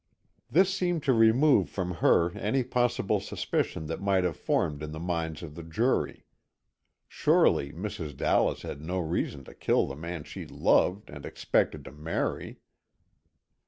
This seemed to remove from her any possible suspicion that might have formed in the minds of the jury. Surely, Mrs. Dallas had no reason to kill the man she loved and expected to marry.